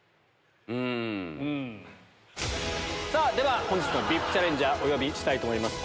さぁでは本日のＶＩＰチャレンジャーお呼びしたいと思います。